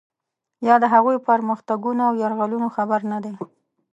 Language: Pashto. یا د هغوی په پرمختګونو او یرغلونو خبر نه دی.